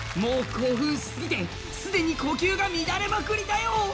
興奮しすぎてすでに呼吸が乱れまくりだよ。